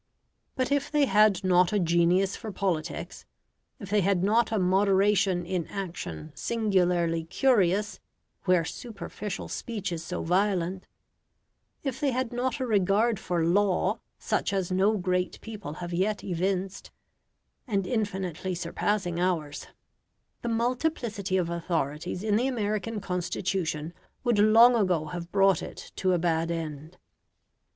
But if they had not a genius for politics; if they had not a moderation in action singularly curious where superficial speech is so violent; if they had not a regard for law, such as no great people have yet evinced, and infinitely surpassing ours, the multiplicity of authorities in the American Constitution would long ago have brought it to a bad end.